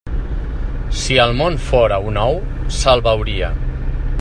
Si el món fóra un ou, se'l beuria.